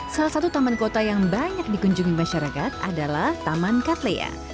salah satu taman kota yang banyak dikunjungi masyarakat adalah taman katlea